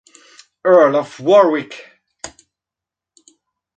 Earl of Warwick.